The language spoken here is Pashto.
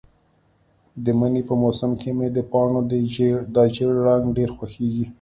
د مني په موسم کې مې د پاڼو دا ژېړ رنګ ډېر خوښیږي.